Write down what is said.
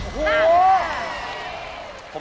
โอ้โฮน่าจะแพง